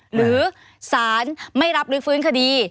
หรือสารไม่รับลื้อฟื้นคดี